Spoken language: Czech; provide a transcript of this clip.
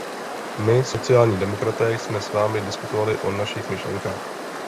My, sociální demokraté, jsme s vámi diskutovali o našich myšlenkách.